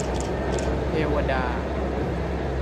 เทวดา